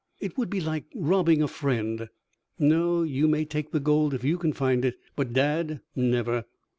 "It would be like robbing a friend. No, you may take the gold if you can find it, but Dad, never.